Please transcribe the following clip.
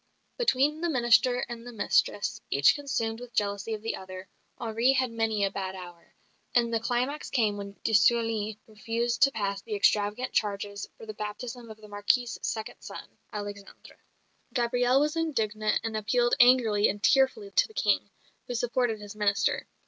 Between the minister and the mistress, each consumed with jealousy of the other, Henri had many a bad hour; and the climax came when de Sully refused to pass the extravagant charges for the baptism of the Marquise's second son, Alexander. Gabrielle was indignant and appealed angrily and tearfully to the King, who supported his minister.